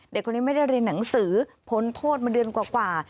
เด็กคนนี้ไม่ได้เรียนหนังสือพ้นโทษมาเดือนกว่า